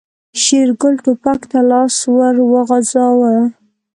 شېرګل ټوپک ته لاس ور وغځاوه.